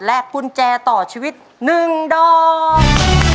กุญแจต่อชีวิต๑ดอก